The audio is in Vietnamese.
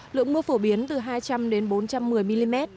lượng mưa phổ biến từ hai trăm linh bốn trăm một mươi mm